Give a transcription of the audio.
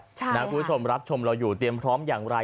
คุณผู้ชมรับชมเราอยู่เตรียมพร้อมอย่างไร